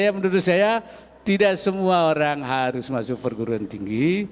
ya menurut saya tidak semua orang harus masuk perguruan tinggi